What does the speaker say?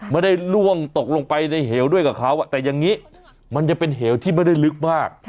ล่วงตกลงไปในเหวด้วยกับเขาแต่อย่างนี้มันยังเป็นเหวที่ไม่ได้ลึกมาก